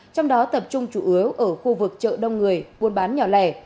trong đó tập trung chủ yếu ở khu vực chợ đông người buôn bán nhỏ lẻ